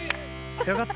よかった！